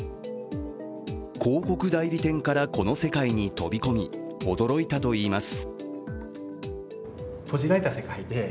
広告代理店からこの世界に飛び込み、驚いたといいます。